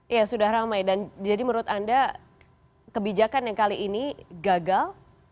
ya sudah ramai dan jadi menurut anda kebijakan yang kali ini gagal